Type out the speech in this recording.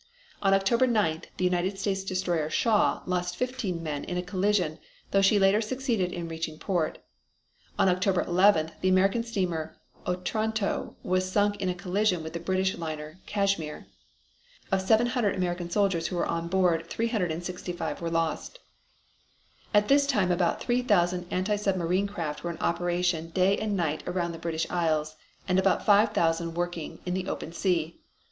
On October 9th the United States destroyer Shaw lost fifteen men in a collision, though she later succeeded in reaching port. On October 11th the American steamer Otranto was sunk in a collision with the British liner Cashmere. Of seven hundred American soldiers who were on board 365 were lost. At this time about three thousand anti submarine craft were in operation day and night around the British Isles, and about five thousand working in the open sea.